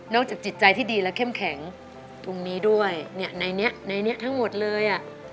นอกจากจิตใจที่ดีและเข้มแข็งตรงนี้ด้วยในนี้ทั้งหมดเลย